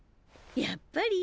やっぱり？